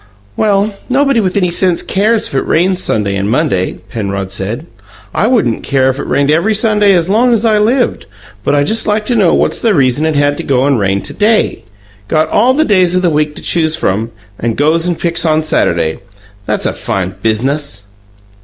"Well, nobody with any sense cares if it rains Sunday and Monday," Penrod said. "I wouldn't care if it rained every Sunday as long I lived; but I just like to know what's the reason it had to go and rain to day. Got all the days o' the week to choose from and goes and picks on Saturday. That's a fine biz'nuss!"